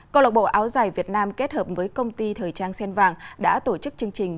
cộng lộc bộ áo giải việt nam kết hợp với công ty thời trang xen vàng đã tổ chức chương trình